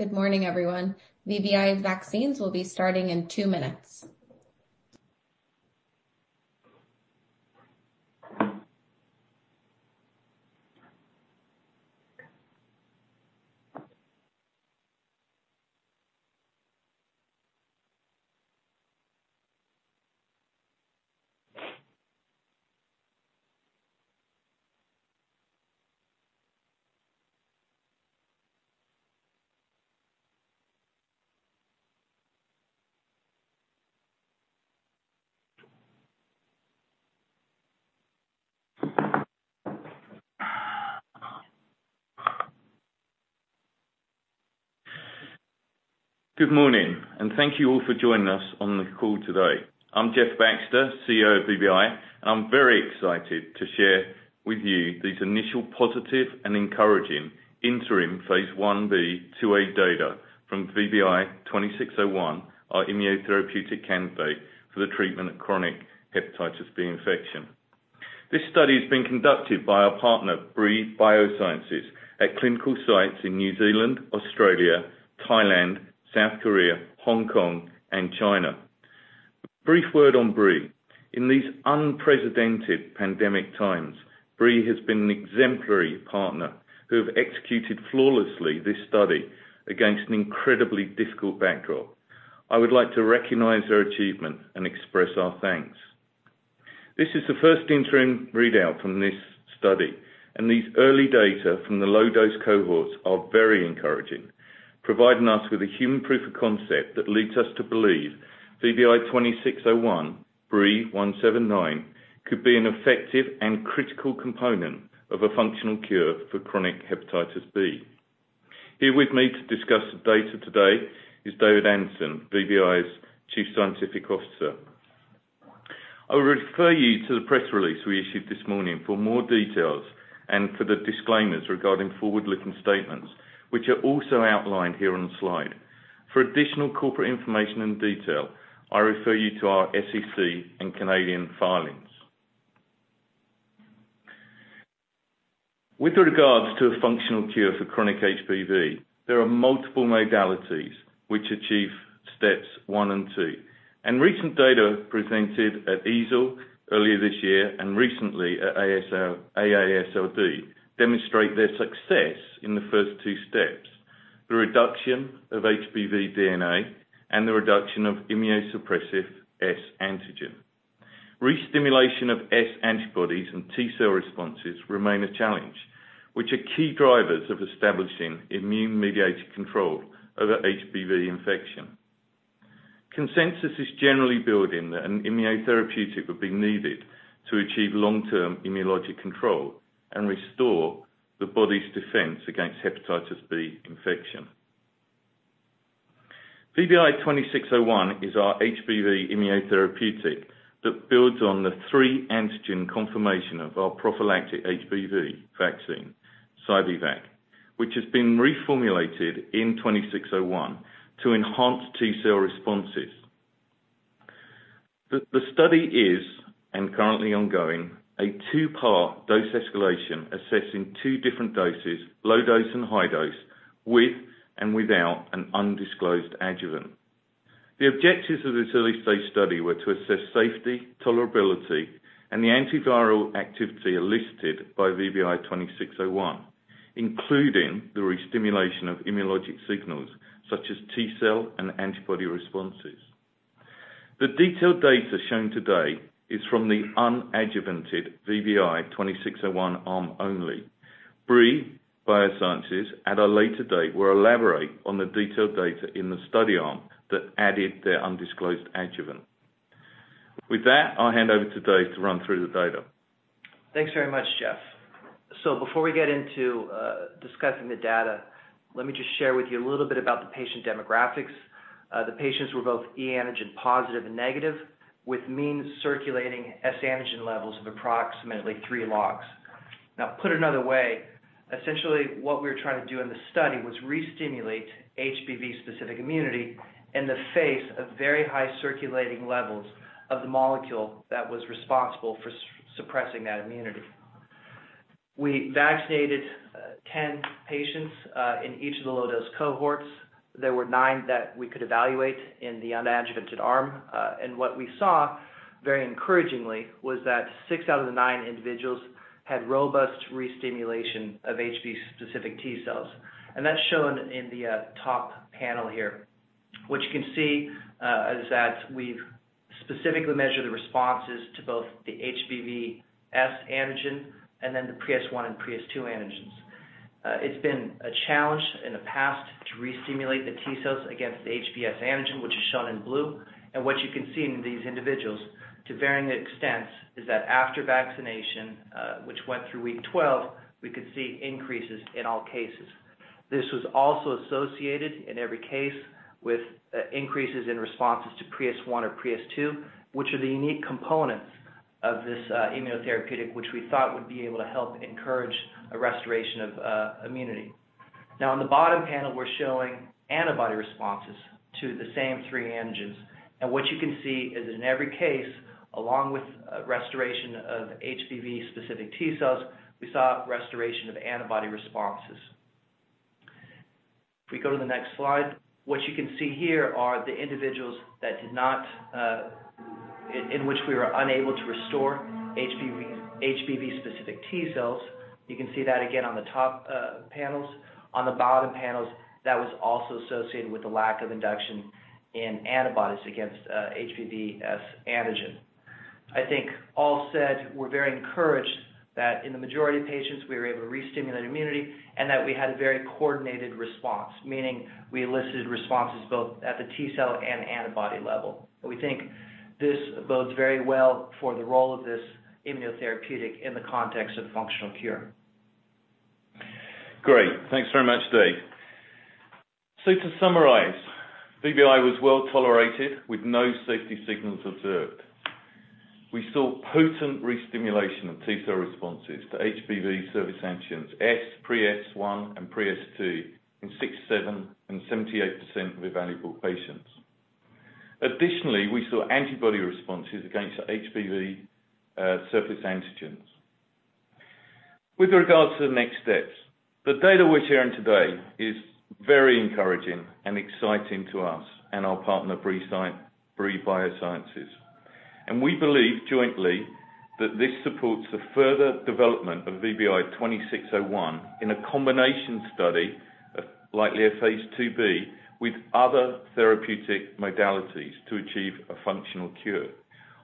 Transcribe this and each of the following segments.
Good morning, everyone. VBI Vaccines will be starting in two minutes. Good morning. Thank you all for joining us on the call today. I'm Jeff Baxter, CEO of VBI, and I'm very excited to share with you these initial positive and encouraging interim phase I-B/II-A data from VBI-2601, our immunotherapeutic candidate for the treatment of chronic hepatitis B infection. This study is being conducted by our partner, Brii Biosciences, at clinical sites in New Zealand, Australia, Thailand, South Korea, Hong Kong, and China. A brief word on Brii. In these unprecedented pandemic times, Brii has been an exemplary partner who have executed flawlessly this study against an incredibly difficult backdrop. I would like to recognize their achievement and express our thanks. This is the first interim readout from this study. These early data from the low-dose cohorts are very encouraging, providing us with a human proof of concept that leads us to believe VBI-2601, BRII-179, could be an effective and critical component of a functional cure for chronic hepatitis B. Here with me to discuss the data today is David Anderson, VBI's Chief Scientific Officer. I would refer you to the press release we issued this morning for more details and for the disclaimers regarding forward-looking statements, which are also outlined here on the slide. For additional corporate information and detail, I refer you to our SEC and Canadian filings. With regards to a functional cure for chronic HBV, there are multiple modalities which achieve steps one and two, and recent data presented at EASL earlier this year and recently at AASLD demonstrate their success in the first two steps, the reduction of HBV DNA and the reduction of immunosuppressive S antigen. Re-stimulation of S antibodies and T cell responses remain a challenge, which are key drivers of establishing immune-mediated control over HBV infection. Consensus is generally building that an immunotherapeutic would be needed to achieve long-term immunologic control and restore the body's defense against hepatitis B infection. VBI-2601 is our HBV immunotherapeutic that builds on the three antigen conformation of our prophylactic HBV vaccine, Sci-B-Vac, which has been reformulated in VBI-2601 to enhance T cell responses. The study is, and currently ongoing, a two-part dose escalation assessing two different doses, low dose and high dose, with and without an undisclosed adjuvant. The objectives of this early stage study were to assess safety, tolerability, and the antiviral activity elicited by VBI-2601, including the re-stimulation of immunologic signals such as T cell and antibody responses. The detailed data shown today is from the unadjuvanted VBI-2601 arm only. Brii Biosciences at a later date will elaborate on the detailed data in the study arm that added their undisclosed adjuvant. With that, I'll hand over to Dave to run through the data. Thanks very much, Jeff. Before we get into discussing the data, let me just share with you a little bit about the patient demographics. The patients were both e antigen positive and negative, with mean circulating S antigen levels of approximately three logs. Put another way, essentially what we were trying to do in the study was re-stimulate HBV-specific immunity in the face of very high circulating levels of the molecule that was responsible for suppressing that immunity. We vaccinated 10 patients in each of the low-dose cohorts. There were nine that we could evaluate in the unadjuvanted arm. What we saw, very encouragingly, was that six out of the nine individuals had robust re-stimulation of HBV-specific T cells, and that's shown in the top panel here. What you can see is that we've specifically measured the responses to both the HBV S antigen and then the PreS1 and PreS2 antigens. It's been a challenge in the past to re-stimulate the T cells against the HBsAg, which is shown in blue. What you can see in these individuals, to varying extents, is that after vaccination, which went through week 12, we could see increases in all cases. This was also associated, in every case, with increases in responses to PreS1 or PreS2, which are the unique components of this immunotherapeutic, which we thought would be able to help encourage a restoration of immunity. In the bottom panel, we're showing antibody responses to the same three antigens. What you can see is in every case, along with restoration of HBV-specific T cells, we saw restoration of antibody responses. If we go to the next slide, what you can see here are the individuals in which we were unable to restore HBV-specific T cells. You can see that again on the top panels. On the bottom panels, that was also associated with a lack of induction in antibodies against HBV S antigen. I think all said, we're very encouraged that in the majority of patients, we were able to re-stimulate immunity and that we had a very coordinated response, meaning we elicited responses both at the T cell and antibody level. We think this bodes very well for the role of this immunotherapeutic in the context of functional cure. Great. Thanks very much, Dave. To summarize, VBI was well tolerated with no safety signals observed. We saw potent re-stimulation of T cell responses to HBV surface antigens S, Pre-S1, and Pre-S2 in 67% and 78% of evaluable patients. Additionally, we saw antibody responses against HBV surface antigens. With regards to the next steps, the data we're sharing today is very encouraging and exciting to us and our partner, Brii Biosciences. We believe jointly that this supports the further development of VBI-2601 in a combination study, likely a phase II-B, with other therapeutic modalities to achieve a functional cure,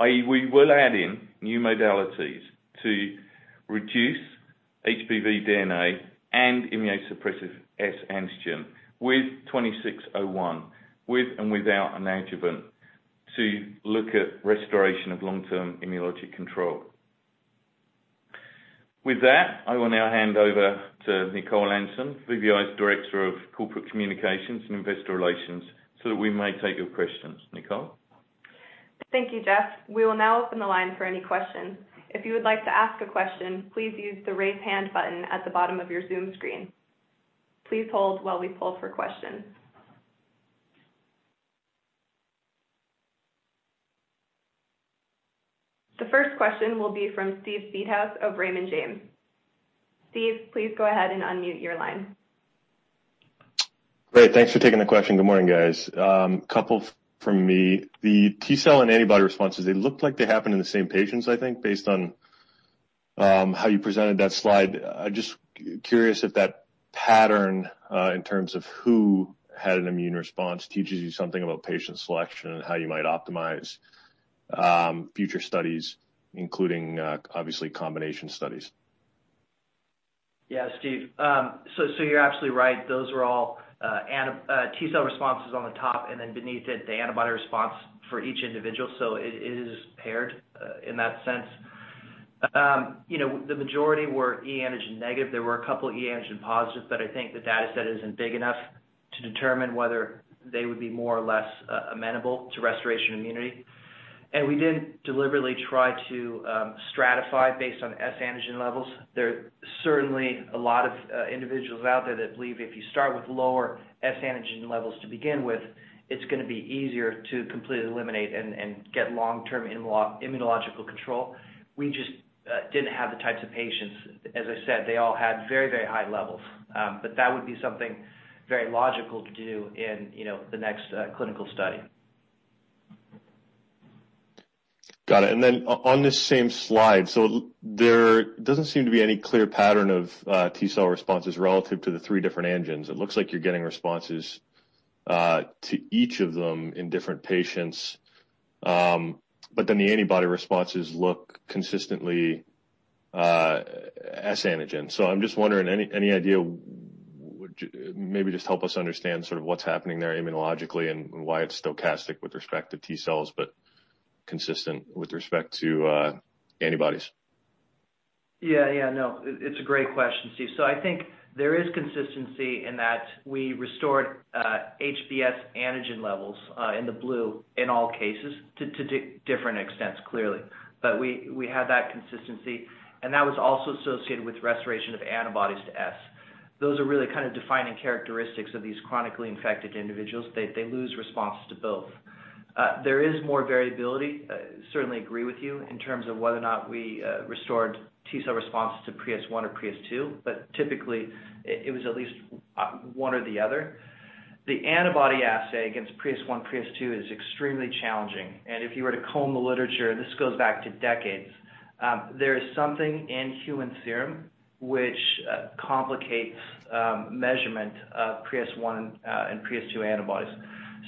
i.e., we will add in new modalities to reduce HBV DNA and immunosuppressive S antigen with VBI-2601, with and without an adjuvant, to look at restoration of long-term immunologic control. With that, I will now hand over to Nicole Anderson, VBI's Director of Corporate Communications and Investor Relations, so that we may take your questions. Nicole? Thank you, Jeff. We will now open the line for any questions. If you would like to ask a question, please use the raise hand button at the bottom of your Zoom screen. Please hold while we poll for questions. The first question will be from Steve Seedhouse of Raymond James. Steve, please go ahead and unmute your line. Great. Thanks for taking the question. Good morning, guys. A couple from me. The T cell and antibody responses, they looked like they happened in the same patients, I think, based on how you presented that slide. I'm just curious if that pattern in terms of who had an immune response teaches you something about patient selection and how you might optimize future studies, including, obviously, combination studies. Yeah, Steve. You're absolutely right. Those were all T cell responses on the top, then beneath it, the antibody response for each individual. It is paired in that sense. The majority were e antigen negative. There were a couple e antigen positives, I think the data set isn't big enough to determine whether they would be more or less amenable to restoration immunity. We didn't deliberately try to stratify based on S antigen levels. There are certainly a lot of individuals out there that believe if you start with lower S antigen levels to begin with, it's going to be easier to completely eliminate and get long-term immunological control. We just didn't have the types of patients. As I said, they all had very high levels. That would be something very logical to do in the next clinical study. Got it. On this same slide, there doesn't seem to be any clear pattern of T cell responses relative to the three different antigens. It looks like you're getting responses to each of them in different patients. The antibody responses look consistently S antigen. I'm just wondering, any idea, maybe just help us understand sort of what's happening there immunologically and why it's stochastic with respect to T cells, but consistent with respect to antibodies? Yeah. No, it's a great question, Steve. I think there is consistency in that we restored HBsAg levels in the blue in all cases to different extents, clearly. We had that consistency, and that was also associated with restoration of antibodies to S antigen. Those are really kind of defining characteristics of these chronically infected individuals. They lose responses to both. There is more variability, certainly agree with you, in terms of whether or not we restored T cell responses to PreS1 or PreS2. Typically, it was at least one or the other. The antibody assay against PreS1, PreS2 is extremely challenging, and if you were to comb the literature, this goes back to decades. There is something in human serum which complicates measurement of PreS1 and PreS2 antibodies.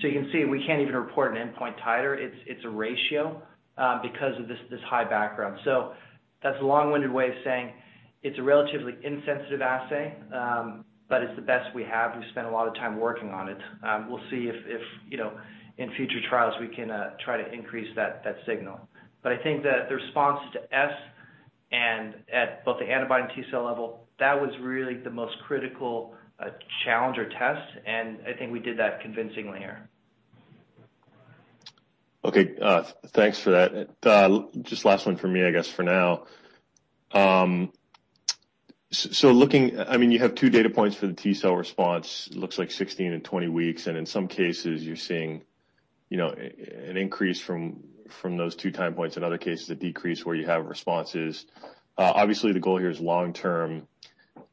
You can see we can't even report an endpoint titer. It's a ratio because of this high background. That's a long-winded way of saying it's a relatively insensitive assay, but it's the best we have. We've spent a lot of time working on it. We'll see if in future trials we can try to increase that signal. I think that the responses to S antigen at both the antibody and T cell level, that was really the most critical challenge or test, and I think we did that convincingly here. Okay, thanks for that. Just last one from me, I guess, for now. You have two data points for the T cell response. Looks like 16 and 20 weeks, and in some cases, you're seeing an increase from those two time points. In other cases, a decrease where you have responses. Obviously, the goal here is long-term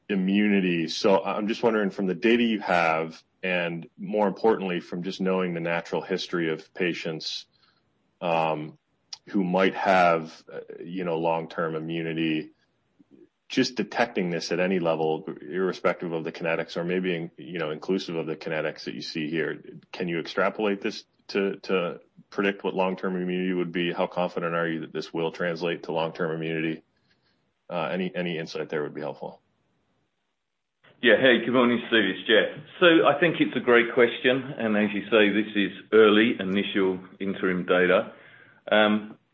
immunity. I'm just wondering from the data you have and more importantly from just knowing the natural history of patients who might have long-term immunity, just detecting this at any level, irrespective of the kinetics or maybe inclusive of the kinetics that you see here, can you extrapolate this to predict what long-term immunity would be? How confident are you that this will translate to long-term immunity? Any insight there would be helpful. Yeah. Hey, good morning, Steve. It's Jeff. I think it's a great question, and as you say, this is early initial interim data.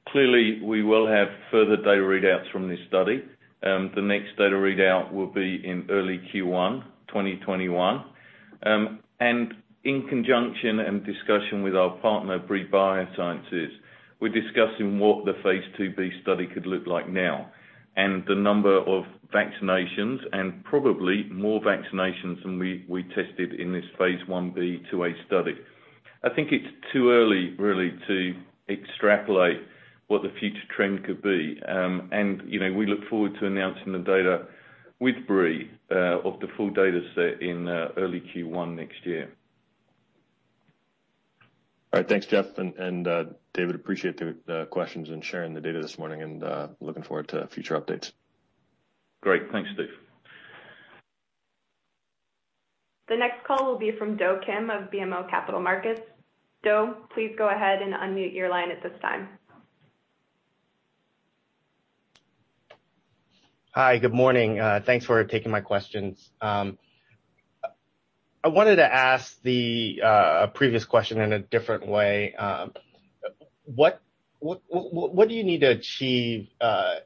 Clearly, we will have further data readouts from this study. The next data readout will be in early Q1 2021. In conjunction and discussion with our partner, Brii Biosciences, we're discussing what the phase IIb study could look like now, and the number of vaccinations and probably more vaccinations than we tested in this phase I-B/II-A study. I think it's too early, really, to extrapolate what the future trend could be. We look forward to announcing the data with Brii of the full data set in early Q1 next year. All right. Thanks, Jeff and David. Appreciate the questions and sharing the data this morning and looking forward to future updates. Great. Thanks, Steve. The next call will be from Do Kim of BMO Capital Markets. Do, please go ahead and unmute your line at this time. Hi, good morning. Thanks for taking my questions. I wanted to ask the previous question in a different way. What do you need to achieve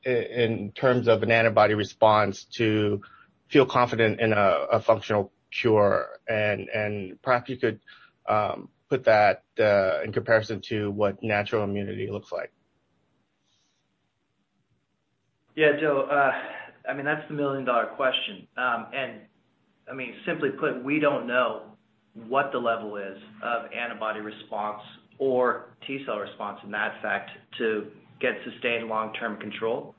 in terms of an antibody response to feel confident in a functional cure? Perhaps you could put that in comparison to what natural immunity looks like. Do. That's the million-dollar question. Simply put, we don't know what the level is of antibody response or T cell response in that fact to get sustained long-term control.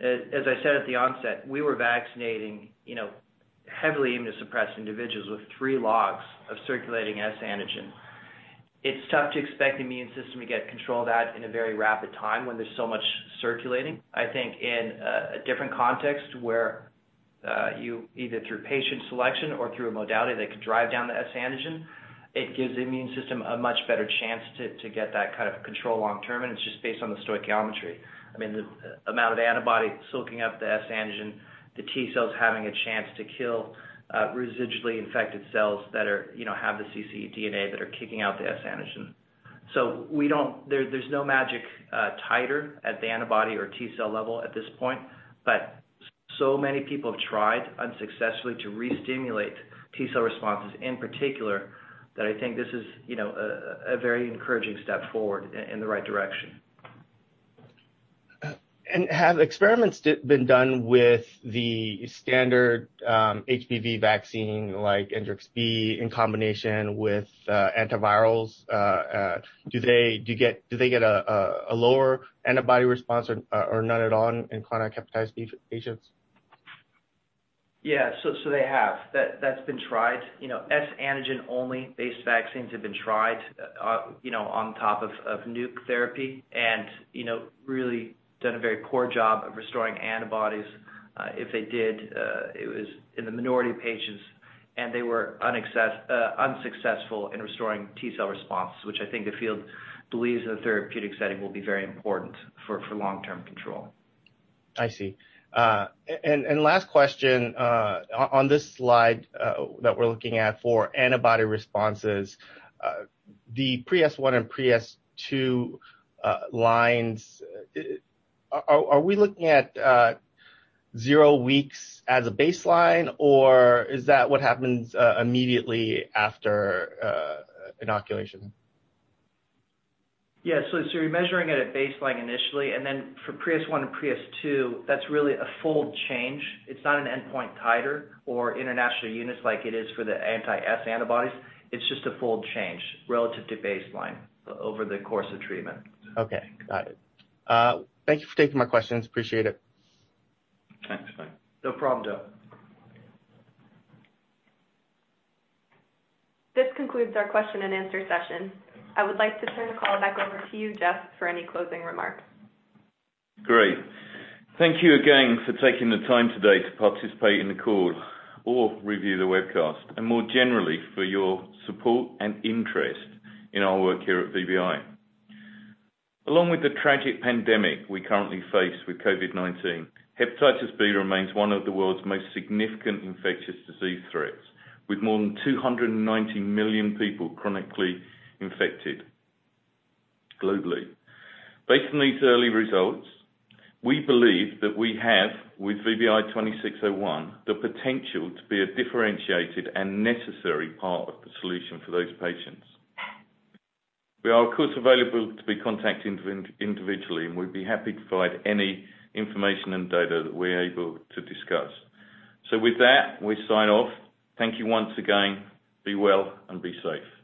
As I said at the onset, we were vaccinating heavily immunosuppressed individuals with three logs of circulating S antigen. It's tough to expect the immune system to get control of that in a very rapid time when there's so much circulating. I think in a different context where you either through patient selection or through a modality that could drive down the S antigen, it gives the immune system a much better chance to get that kind of control long-term, and it's just based on the stoichiometry. The amount of antibody soaking up the S antigen, the T cells having a chance to kill residually infected cells that have the cccDNA that are kicking out the S antigen. There's no magic titer at the antibody or T cell level at this point, but so many people have tried unsuccessfully to re-stimulate T cell responses in particular, that I think this is a very encouraging step forward in the right direction. Have experiments been done with the standard HBV vaccine like Engerix-B in combination with antivirals? Do they get a lower antibody response or none at all in chronic hepatitis B patients? Yeah, they have. That's been tried. S antigen only-based vaccines have been tried on top of Nuc therapy and really done a very poor job of restoring antibodies. If they did, it was in the minority of patients, and they were unsuccessful in restoring T cell response, which I think the field believes in a therapeutic setting will be very important for long-term control. I see. Last question. On this slide that we're looking at for antibody responses, the PreS1 and PreS2 lines, are we looking at zero weeks as a baseline, or is that what happens immediately after inoculation? Yeah. You're measuring it at baseline initially, and then for PreS1 and PreS2, that's really a fold change. It's not an endpoint titer or international units like it is for the anti-S antibodies. It's just a fold change relative to baseline over the course of treatment. Okay. Got it. Thank you for taking my questions. Appreciate it. Thanks, Do. No problem, Do. This concludes our question and answer session. I would like to turn the call back over to you, Jeff, for any closing remarks. Great. Thank you again for taking the time today to participate in the call or review the webcast, and more generally for your support and interest in our work here at VBI. Along with the tragic pandemic we currently face with COVID-19, hepatitis B remains one of the world's most significant infectious disease threats, with more than 290 million people chronically infected globally. Based on these early results, we believe that we have, with VBI-2601, the potential to be a differentiated and necessary part of the solution for those patients. We are, of course, available to be contacted individually, and we'd be happy to provide any information and data that we're able to discuss. With that, we sign off. Thank you once again. Be well and be safe.